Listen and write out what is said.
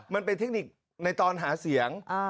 มันเป็นเทคนิคในตอนหาเสียง